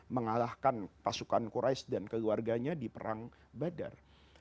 mengalahkan pasukan qurais dan keluarganya di perang badar